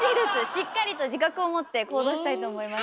しっかりと自覚を持って行動したいと思います。